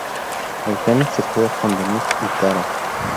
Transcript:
Eugene se queda con Denise y Tara.